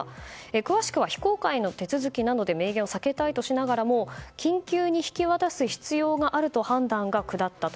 詳しくは非公開の手続きなので明言を避けたいとしながらも緊急に引き渡す必要があると判断が下ったと。